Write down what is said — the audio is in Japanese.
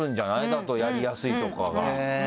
だとやりやすいとかが。